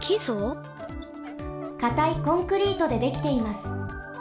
かたいコンクリートでできています。